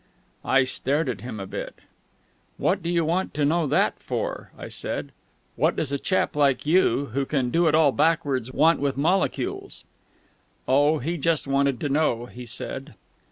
I stared at him a bit. "What do you want to know that for?" I said. "What does a chap like you, who can do it all backwards, want with molecules?" Oh, he just wanted to know, he said.